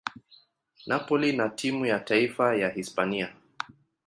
Napoli na timu ya taifa ya Hispania.